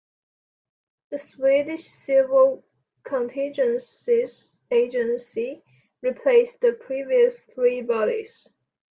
The Swedish Civil Contingencies Agency replaced the previous three bodies.